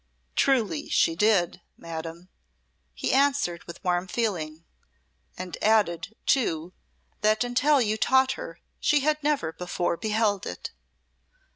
"Truly she did, madam," he answered with warm feeling, "and added, too, that until you taught her she had never before beheld it."